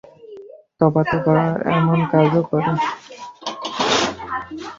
তােবা, তােবা, এমন কাজও করে!